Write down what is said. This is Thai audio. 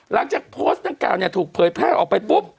หลังจากโพสต์ดังกล่าวเนี่ยถูกเผยแพร่ออกไปปุ๊บ